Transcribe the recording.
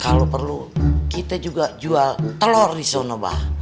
kalo perlu kita juga jual telor di sono bah